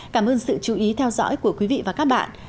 cảm ơn sự chú ý theo dõi của quý vị và các bạn